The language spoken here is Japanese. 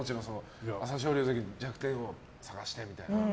朝青龍関の弱点を探してみたいな。